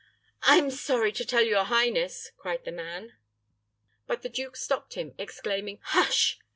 "I am sorry to tell your highness " cried the man. But the duke stopped him, exclaiming, "Hush!"